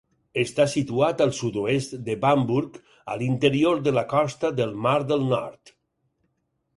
Està situat al sud-oest de Bamburgh, a l'interior de la costa del mar del Nord.